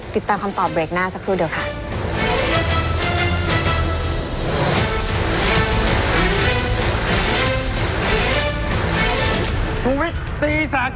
ติดตามคำตอบเบรกหน้าสักครู่เดียวค่ะ